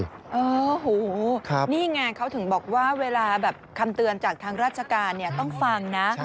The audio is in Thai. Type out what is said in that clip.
โอ้โหนี่ไงเขาถึงบอกว่าเวลาแบบคำเตือนจากทางราชการเนี่ยต้องฟังนะ